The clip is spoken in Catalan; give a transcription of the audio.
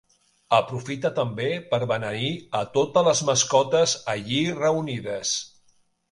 Aprofita també per beneir a totes les mascotes allí reunides.